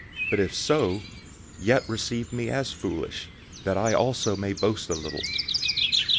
But if so, yet receive me as foolish, that I also may boast a little.